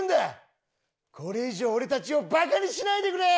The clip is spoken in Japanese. これ以上俺たちをバカにしないでくれ！